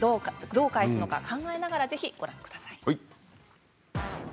どう返すのか考えながらご覧ください。